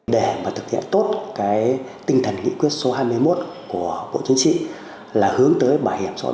để mà thực hiện tốt cái tinh thần nghị quyết số hai mươi một của bộ chính trị là hướng tới bảo hiểm xã hội